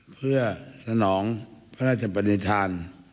เพื่อสนองพระราชปนิษฐาน